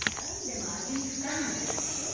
でも味に深みが出るでしょ。